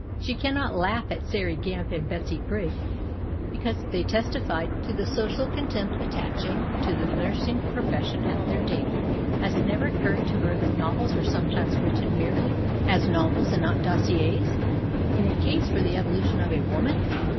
She cannot laugh at Sairey Gamp and Betsy Prig, because they testify to the social contempt attaching to the nursing profession at their date ! Has it never occurred to her that novels are sometimes written merely as 287 PASTICHE AND PREJUDICE novels and not as dossiers in a " case " for the " evolution " of woman